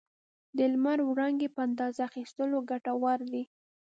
د لمر وړانګې په اندازه اخیستل ګټور دي.